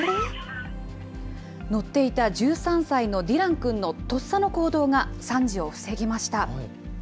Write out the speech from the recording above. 乗っていた１３歳のディラン君のとっさの行動が惨事を防ぎました。